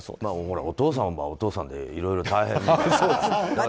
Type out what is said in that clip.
お父さんはお父さんでいろいろ大変だから。